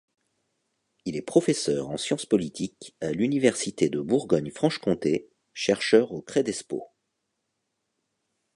Il est professeur en science politique à l'Université de Bourgogne-Franche-Comté, chercheur au Credespo.